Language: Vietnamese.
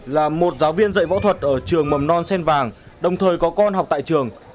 là một giáo viên dạy võ thuật ở trường mầm non sen vàng đồng thời có con học tại trường